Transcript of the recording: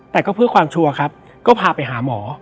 แต่ก็เพื่อความชัวร์ครับก็พาไปหาหมอ